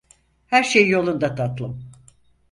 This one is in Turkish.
Her şey yolunda tatlım.